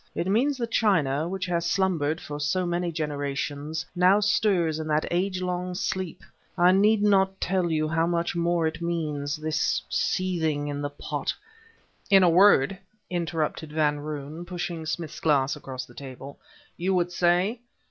It means that China, which has slumbered for so many generations, now stirs in that age long sleep. I need not tell you how much more it means, this seething in the pot..." "In a word," interrupted Van Roon, pushing Smith's glass across the table "you would say?